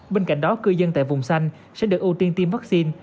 bên cạnh đó cư dân tại vùng xanh sẽ được ưu tiên tiêm vaccine